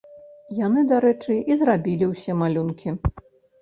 Яна, дарэчы, і зрабіла ўсе малюнкі.